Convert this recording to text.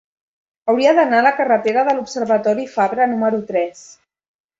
Hauria d'anar a la carretera de l'Observatori Fabra número tres.